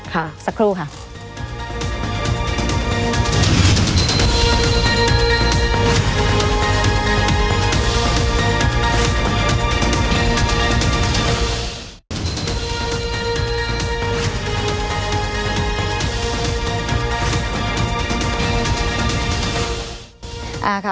ค่ะสักครู่ค่ะ